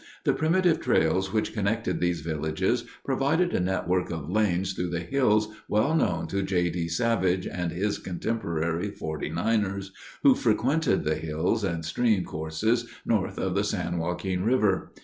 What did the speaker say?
The primitive trails which connected these villages provided a network of lanes through the hills well known to J. D. Savage and his contemporary forty niners who frequented the hills and stream courses north of the San Joaquin River.